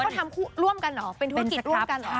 เขาทำคู่ร่วมกันเหรอเป็นธุรกิจร่วมกันเหรอเป็นสครับ